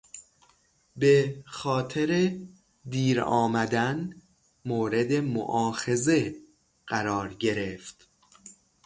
به خاطر دیر آمدن مورد موآخذه قرار گرفت.